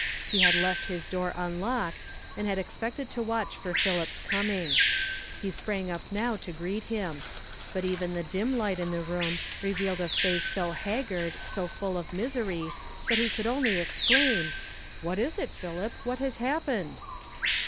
He had left his door unlocked, and had expected to wacch for Philip's coming. He sprang up now to greet him; but even the dim light in the room revealed a face so haggard, so full of misery, that he could only exclaim, " What is it, Philip? What has happened?